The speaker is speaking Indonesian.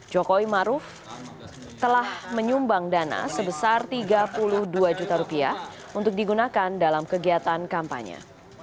joko widodo maruf telah menyumbang dana sebesar rp tiga puluh dua untuk digunakan dalam kegiatan kampanye